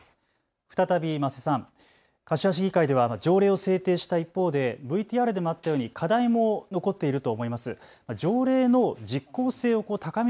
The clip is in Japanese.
再び間瀬さん、柏市議会では条例を制定した一方でＶＴＲでもあったように課題も残っていると思います。